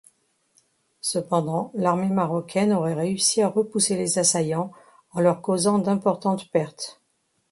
Cependant, l'armée marocaine aurait réussi à repousser les assaillants, en leur causant d'importantes pertes.